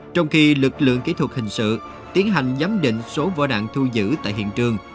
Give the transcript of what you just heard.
trong khi lực lượng kỹ thuật hình sự tiến hành giám định số vỏ đạn thu giữ tại hiện trường